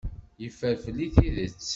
Yeffer fell-i tidet.